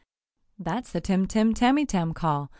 "That's the Tim Tim Tamytam call!"